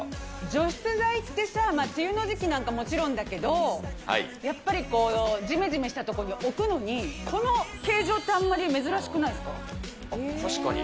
除湿剤ってさ、梅雨の時期なんか、もちろんだけど、やっぱりじめじめした所に置くのに、この形状ってあんまり珍しく確かに。